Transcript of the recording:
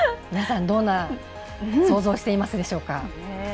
皆さん、どんな想像をしていますでしょうか。